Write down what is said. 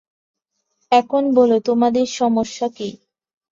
এখন বল তোদের সমস্যা কি?